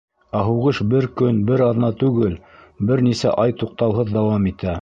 Ә һуғыш бер көн, бер аҙна түгел, бер нисә ай туҡтауһыҙ дауам итә.